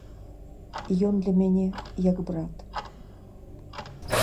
Ён для мяне як брат.